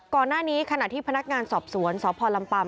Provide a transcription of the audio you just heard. ก่อนหน้านี้ขณะที่พนักงานสอบสวนสพลำปัม